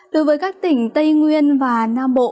đối với các tỉnh tây nguyên và nam bộ